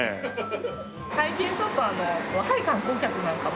最近ちょっと若い観光客なんかも。